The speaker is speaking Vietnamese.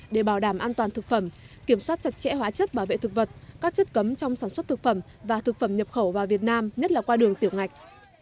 để bảo đảm an toàn thực phẩm kiểm soát chặt chẽ hóa chất bảo vệ thực vật các chất cấm trong sản xuất thực phẩm và thực phẩm nhập khẩu vào việt nam nhất là qua đường tiểu ngạch